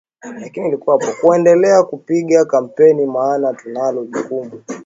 kuendelea kupiga kampeni maana tunalo jukumu